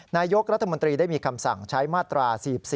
นายกรัฐมนตรีได้มีคำสั่งใช้มาตรา๔๔